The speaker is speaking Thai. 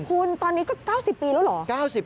คุณตอนนี้ก็๙๐ปีแล้วเหรอ